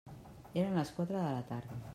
Eren les quatre de la tarda.